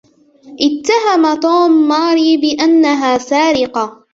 اتهم توم ماري بأنها سارقة.